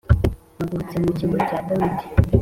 mpagurutse mu cyimbo cya data Dawidi